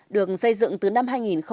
được xây dựng từ năm hai nghìn sáu